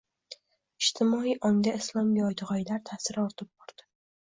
jtimoiy ongda islomga oid gʻoyalar taʼsiri ortib bordi